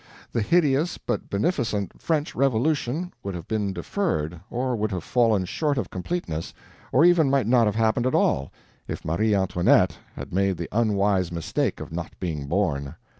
The hideous but beneficent French Revolution would have been deferred, or would have fallen short of completeness, or even might not have happened at all, if Marie Antoinette had made the unwise mistake of not being born.